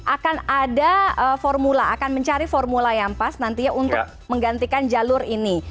akan ada formula akan mencari formula yang pas nantinya untuk menggantikan jalur ini